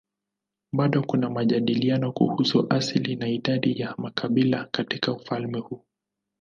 Bado kuna majadiliano kuhusu asili na idadi ya makabila katika ufalme huu.